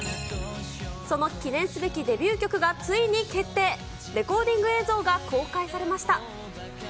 その記念すべきデビュー曲がついに決定、レコーディング映像が公開されました。